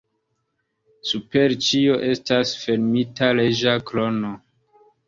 Super ĉio estas fermita reĝa krono.